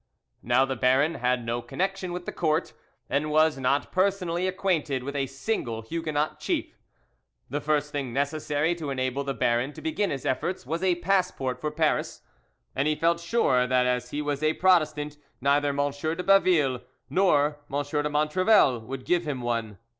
Now the baron had no connection with the court, and was not personally acquainted with a single Huguenot chief. The first thing necessary to enable the baron to begin his efforts was a passport for Paris, and he felt sure that as he was a Protestant neither M. de Baville nor M. de Montrevel would give him one.